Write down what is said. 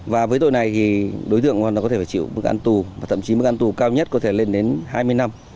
và với tội này thì đối tượng có thể chịu bức ăn tù thậm chí bức ăn tù cao nhất có thể lên đến hai mươi năm